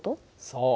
そう。